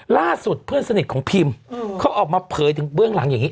ล่าสุดเพื่อนสนิทของพิมเขาออกมาเผยถึงเบื้องหลังอย่างนี้